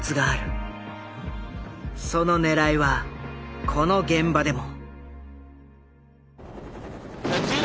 その狙いはこの現場でも。